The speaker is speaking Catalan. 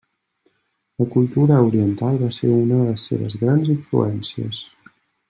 La cultura oriental va ser una de les seves grans influències.